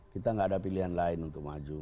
kita nggak ada pilihan lain untuk maju